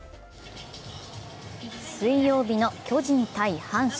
水曜日の巨人×阪神。